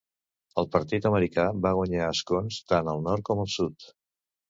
El partit americà va guanyar escons tant al nord com al sud.